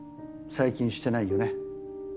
最近してないよね。